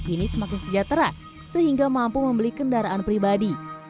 ini semakin sejahtera sehingga mampu membeli kendaraan pribadi